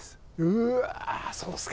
うわあそうですか。